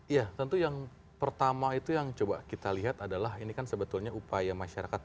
ya tentu yang pertama itu yang coba kita lihat adalah ini kan sebetulnya upaya masyarakat